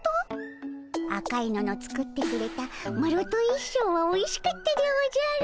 赤いのの作ってくれたマロと一緒ぉはおいしかったでおじゃる。